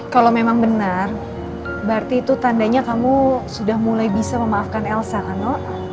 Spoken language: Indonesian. kalau memang benar berarti itu tandanya kamu sudah mulai bisa memaafkan elsa kano